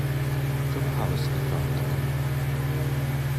Ĉu vi havas gefratojn?